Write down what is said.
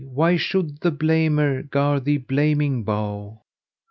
why should the blamer gar thee blaming bow?